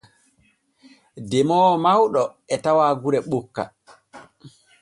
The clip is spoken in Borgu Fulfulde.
Demoowo mawɗo e tawa gure ɓokki.